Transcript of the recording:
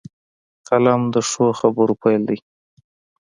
قلم د ښو خبرو پيل دی